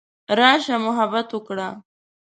راشه محبت وکړه.